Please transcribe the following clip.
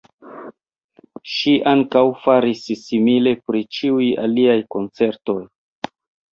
Ŝi ankaŭ faris simile pri ĉiuj aliaj koncertoj.